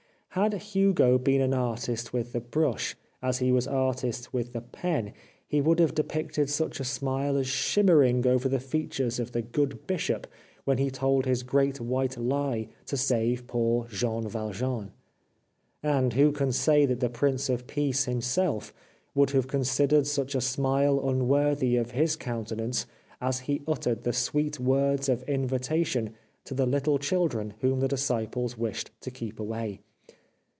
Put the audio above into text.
Had Hugo been an artist with the brush as he was artist with the pen he would have de picted such a smile as shimmering over the features of the good bishop when he told his great white lie to save poor Jean Valjean. And, who can say that the Prince of Peace Himself would have considered such a smile unworthy of His countenance as He uttered the sweet words of invitation to the little children whom the disciples wished to keep away